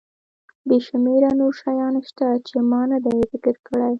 بې شمېره نور شیان شته چې ما ندي ذکر کړي.